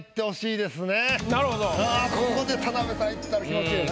ここで田辺さんいったら気持ちええな。